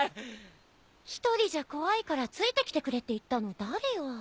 一人じゃ怖いからついてきてくれって言ったの誰よ。